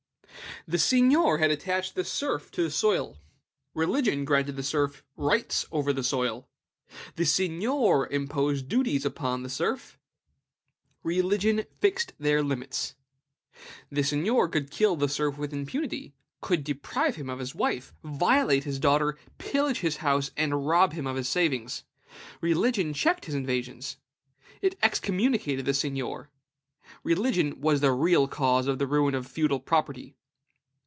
The seignior had attached the serf to the soil; religion granted the serf rights over the soil. The seignior imposed duties upon the serf; religion fixed their limits. The seignior could kill the serf with impunity, could deprive him of his wife, violate his daughter, pillage his house, and rob him of his savings; religion checked his invasions: it excommunicated the seignior. Religion was the real cause of the ruin of feudal property.